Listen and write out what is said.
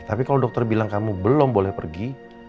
tapi kalau dokter bilang kamu belum boleh pergi